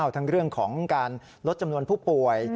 ทั้งเรื่องของการลดจำนวนผู้ป่วย